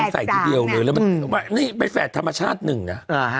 แฝด๓น่ะนี่เป็นแฝดธรรมชาติหนึ่งนะ